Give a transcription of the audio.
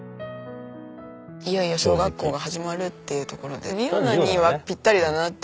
いよいよ小学校が始まるっていうところで莉央奈にはぴったりだなって思ったんですよね。